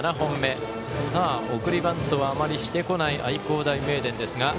送りバントはあまりしてこない愛工大名電。